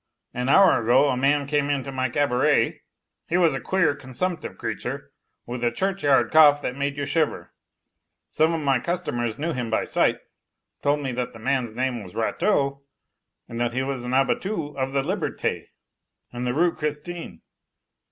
An hour ago a man came into my cabaret. He was a queer, consumptive creature, with a churchyard cough that made you shiver. Some of my customers knew him by sight, told me that the man's name was Rateau, and that he was an habitue of the 'Liberte,' in the Rue Christine.